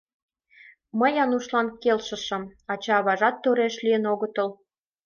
Мый Анушлан келшышым, ача-аважат тореш лийын огытыл.